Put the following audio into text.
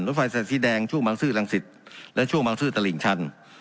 รถไฟสีแดงช่วงบางซื่อรังสิตและช่วงบางซื่อตลิ่งชัน